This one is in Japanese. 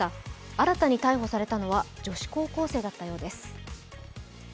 新たに逮捕されたのは女子高校生だったようです。